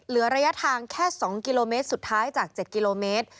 ระยะทางแค่๒กิโลเมตรสุดท้ายจาก๗กิโลเมตร